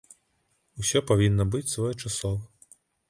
Усё павінна быць своечасова.